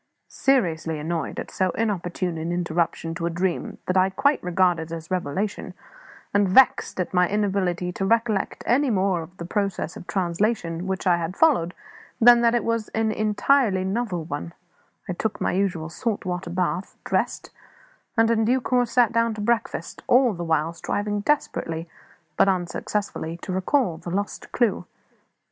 Seriously annoyed at so inopportune an interruption to a dream that I quite regarded as a revelation, and vexed at my inability to recollect any more of the process of translation which I had followed than that it was an entirely novel one, I took my usual salt water bath, dressed, and in due course sat down to breakfast, all the while striving desperately but unsuccessfully to recall the lost clue.